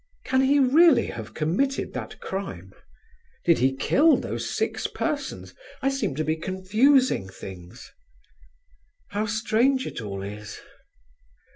"Can he really have committed that crime? Did he kill those six persons? I seem to be confusing things... how strange it all is....